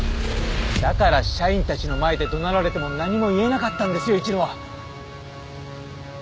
だから社員たちの前で怒鳴られても何も言えなかったんですよ市野は。